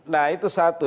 nah itu satu